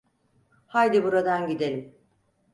Haydi buradan gidelim.